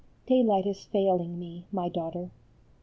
Daylight is failing me, my daughter.